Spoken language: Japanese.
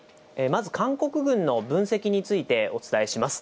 まず韓国軍の分析についてお伝えします。